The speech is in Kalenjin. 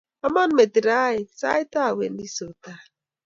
Aman metit raa saiti awendi sipitali